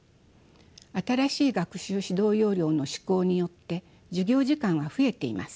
新しい学習指導要領の施行によって授業時間は増えています。